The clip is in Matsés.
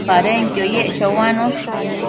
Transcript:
Padenquio yec choanosh